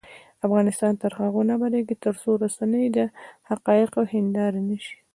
افغانستان تر هغو نه ابادیږي، ترڅو رسنۍ د حقایقو هنداره نشي.